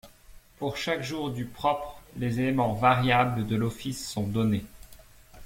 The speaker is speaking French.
Pour chaque jour du propre, les éléments variables de l'office sont donnés.